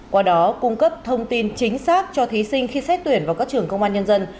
qua đó cung cấp thông tin chính xác cho thí sinh khi xét tuyển vào các trường công an nhân dân